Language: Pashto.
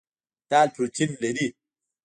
دال پروټین لري.